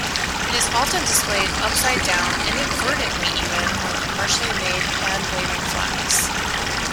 It is often displayed upside down inadvertently-even on commercially-made hand waving flags.